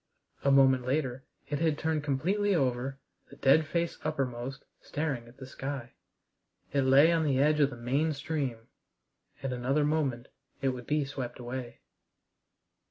A moment later it had turned completely over, the dead face uppermost, staring at the sky. It lay on the edge of the main stream. In another moment it would be swept away.